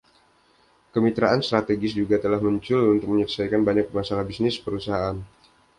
Kemitraan strategis juga telah muncul untuk menyelesaikan banyak masalah bisnis perusahaan.